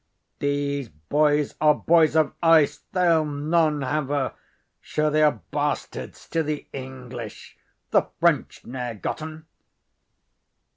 These boys are boys of ice, they'll none have her. Sure, they are bastards to the English; the French ne'er got 'em.